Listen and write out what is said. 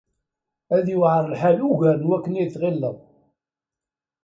Ad yaɛer lḥal ugar n wakken i tɣileḍ.